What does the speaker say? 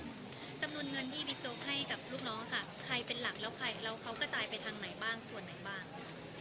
จำนวนเงินที่บิ๊กโจ๊กให้กับลูกน้องค่ะใครเป็นหลักแล้วใครแล้วเขาก็จ่ายไปทางไหนบ้าง